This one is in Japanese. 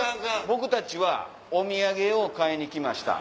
僕たちはお土産を買いに来ました。